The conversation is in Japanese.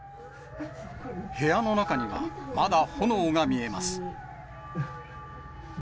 部屋の中には、まだ炎が見えます。